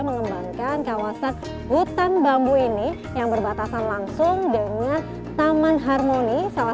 mengembangkan kawasan hutan bambu ini yang berbatasan langsung dengan taman harmoni salah